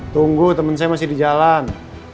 tunggu teman saya masih di jalan